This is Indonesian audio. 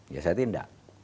ya saya tidak